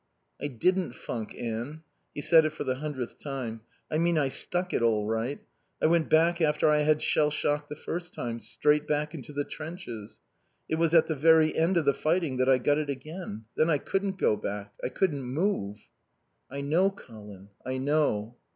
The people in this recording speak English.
"I didn't funk, Anne." (He said it for the hundredth time.) "I mean I stuck it all right. I went back after I had shell shock the first time straight back into the trenches. It was at the very end of the fighting that I got it again. Then I couldn't go back. I couldn't move." "I know, Colin, I know."